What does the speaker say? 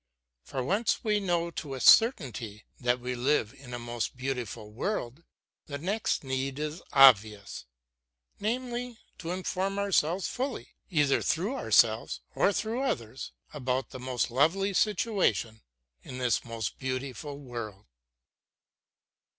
For once we know to a certainty that we live in a most beautiful world, the next need is obvious, namely, to inform ourselves fully, either through ourselves or through others, about the most lovely situation in this most beautiful world.